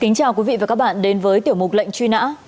kính chào quý vị và các bạn đến với tiểu mục lệnh truy nã